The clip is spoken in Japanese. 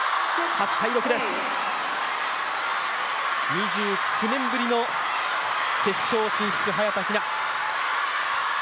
２９年ぶりの決勝進出、早田ひな。